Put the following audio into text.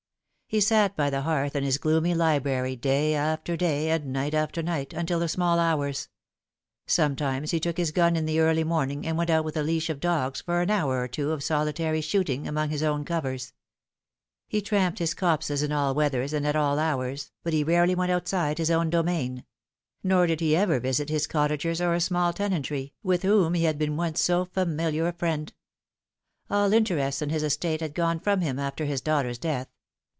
He sat by the hearth in his gloomy library day after day, and night after night, until the small hours. Sometimes he took his gun in the early morning, and went out with a leash of dogs for an hour or two of solitary shooting among his own covers. He tramped his copses in all weathers and at all hours, but he rarely went outside his own domain ; nor did he ever visit his cottagers or small tenantry, with whom he had been once 80 familiar a friend. All interest in his estate had gone from him after his daughter's death.